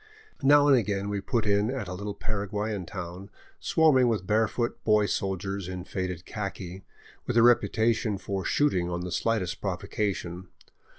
Now and again we put in at a little Para guayan town, swarming with barefoot boy soldiers in faded khaki, with a reputation for shooting on the slightest provocation.